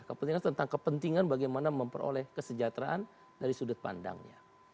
kepentingan tentang kepentingan bagaimana memperoleh kesejahteraan dari sudut pandangnya